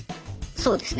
そうですね。